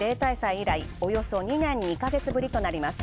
いらいおよそ２年２ヶ月ぶりとなります。